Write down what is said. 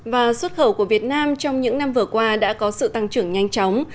và xuất khẩu của việt nam trong những năm vừa qua đã có sự tăng trưởng nhanh chóng